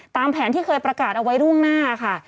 ตามแผนที่เคยประกาศเอาไว้ล่วงหน้าค่ะ